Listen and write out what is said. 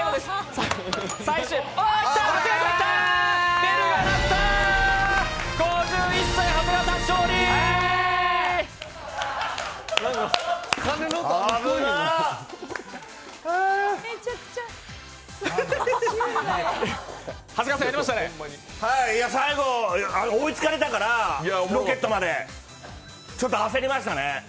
最後、追いつかれたからロケットまでちょっと焦りましたね。